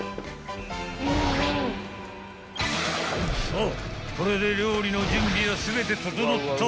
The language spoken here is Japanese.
［さあこれで料理の準備は全て整った］